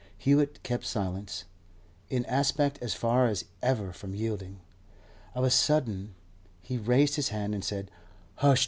Hewett kept silence, in aspect as far as ever from yielding. Of a sudden he raised his hand, and said, 'Husht!